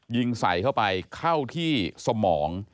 ยิงใส่เข้าไปเข้าที่สมอง